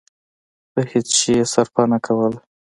په هېڅ شي يې صرفه نه کوله.